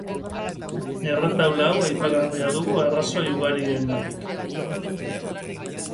Erretaula hau aipagarria dugu arrazoi ugarirengatik.